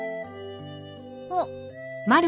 あっ！